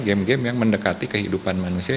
game game yang mendekati kehidupan manusia